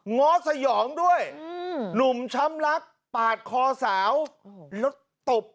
ง้อสยองด้วยหนุ่มช้ำรักปาดคอสาวแล้วตบ